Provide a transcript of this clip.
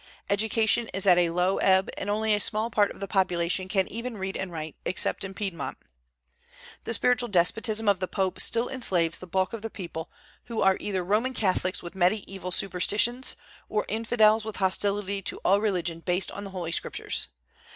Education is at a low ebb, and only a small part of the population can even read and write, except in Piedmont. The spiritual despotism of the Pope still enslaves the bulk of the people, who are either Roman Catholics with mediaeval superstitions, or infidels with hostility to all religion based on the Holy Scriptures.